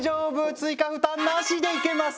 追加負担なしでいけます！